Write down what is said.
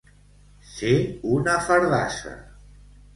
Ser una fardassa.